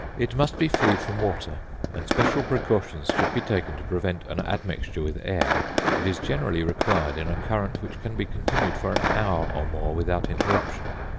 It must be freed from water; and special precautions should be taken to prevent an admixture with air. It is generally required in a current which can be continued for an hour or more without interruption.